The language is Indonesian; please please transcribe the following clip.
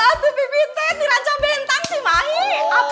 aduh bibitnya di rancang bentang sih maik